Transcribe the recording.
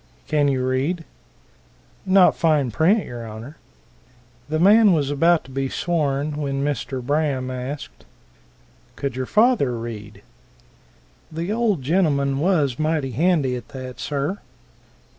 "Can you read?" "Not fine print, y'r Honor." The man was about to be sworn, when Mr. Braham asked, "Could your father read?" "The old gentleman was mighty handy at that, sir."